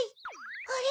あれ？